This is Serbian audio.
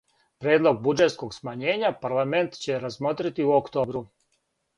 Предлог буџетског смањења парламент ће размотрити у октобру.